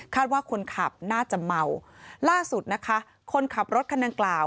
ว่าคนขับน่าจะเมาล่าสุดนะคะคนขับรถคันดังกล่าว